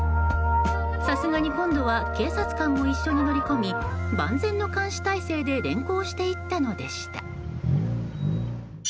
さすがに今度は警察官も一緒に乗り込み万全の監視態勢で連行していったのでした。